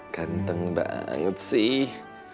ganteng banget sih